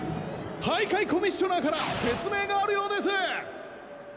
大会コミッショナーから説明があるようです！